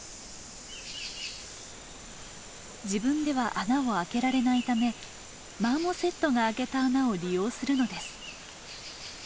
自分では穴を開けられないためマーモセットが開けた穴を利用するのです。